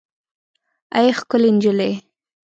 اې ښکلې نجلۍ